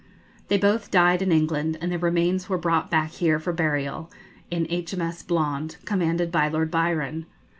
They both died in England, and their remains were brought back here for burial, in H.M.S. 'Blonde,' commanded by Lord Byron.